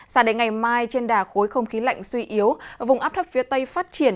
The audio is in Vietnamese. sao đến ngày mai trên đà khối không khí lạnh suy yếu vùng áp thấp phía tây phát triển